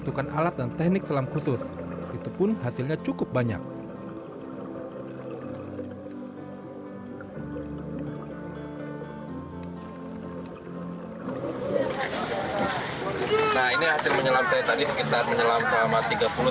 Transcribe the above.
mungkin saya bisa menanam soal lebih banyak sampah lagi